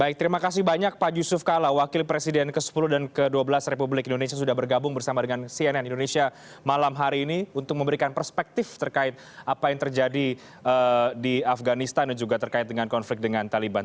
baik terima kasih banyak pak yusuf kala wakil presiden ke sepuluh dan ke dua belas republik indonesia sudah bergabung bersama dengan cnn indonesia malam hari ini untuk memberikan perspektif terkait apa yang terjadi di afganistan dan juga terkait dengan konflik dengan taliban